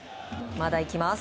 まだいきます。